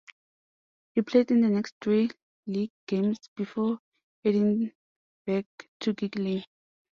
He played in the next three league games before heading back to Gigg Lane.